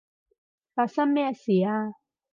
發生咩事啊？